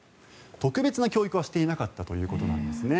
特別な教育はしていなかったということなんですね。